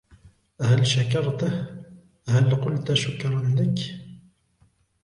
هل شكرتهُ, هل قلت شكراً لك؟